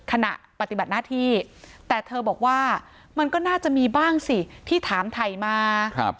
ขณะปฏิบัติหน้าที่แต่เธอบอกว่ามันก็น่าจะมีบ้างสิที่ถามถ่ายมา